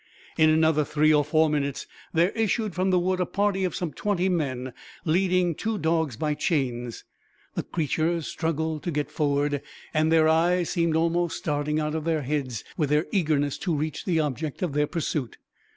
In another three or four minutes there issued from the wood a party of some twenty men, leading two dogs by chains. The creatures struggled to get forward, and their eyes seemed almost starting out of their heads with their eagerness to reach the object of their pursuit.